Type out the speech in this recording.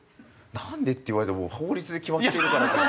「なんで？」って言われても法律で決まってるからと。